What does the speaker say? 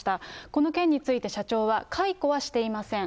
この件について社長は、解雇はしていません。